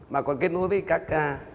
mà còn kết nối với các